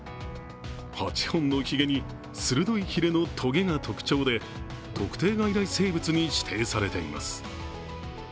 ８本のひげに鋭いひれのとげが特徴で特定外来生物に指定されています。